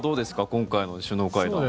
今回の首脳会談。